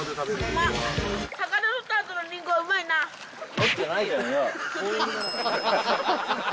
獲ってないじゃんよ。